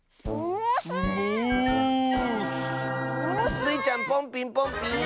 スイちゃんポンピンポンピーン！